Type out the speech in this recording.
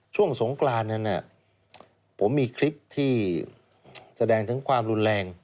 ช่วงสงกรานนั้นผมมีคลิปที่แสดงถึงความรุนแรง